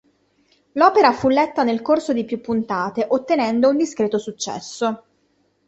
L'opera fu letta nel corso di più puntate ottenendo un discreto successo.